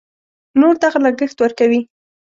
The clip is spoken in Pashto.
نور دغه لګښت ورکوي.